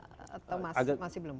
sudah berjalan dengan atau masih belum